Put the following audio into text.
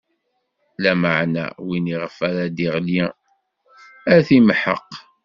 Lameɛna win iɣef ara d-iɣli, ad t-imḥeq.